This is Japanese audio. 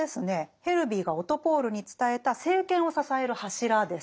ヘルヴィーがオトポール！に伝えた政権を支える柱です。